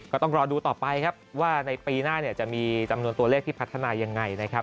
ก็ต้องรอดูต่อไปครับว่าในปีหน้าเนี่ยจะมีจำนวนตัวเลขที่พัฒนายังไงนะครับ